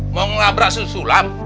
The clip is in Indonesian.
mau ngelabrak sulam